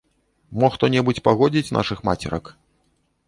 Мо хто-небудзь пагодзіць нашых мацерак.